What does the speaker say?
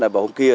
và hôm kia